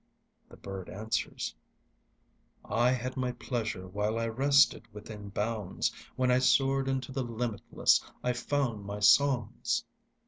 The bird answers: I had my pleasure while I rested within bounds. When I soared into the limitless, I found my songs!